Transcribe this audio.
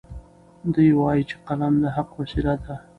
دی وایي چې قلم د حق وسیله ده.